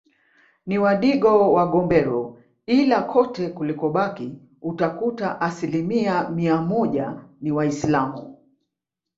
Ni wadigo wa Gombero Ila kote kulikobaki utakuta asilimia mia moja ni waisilamu